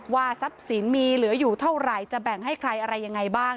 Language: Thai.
ทรัพย์สินมีเหลืออยู่เท่าไหร่จะแบ่งให้ใครอะไรยังไงบ้าง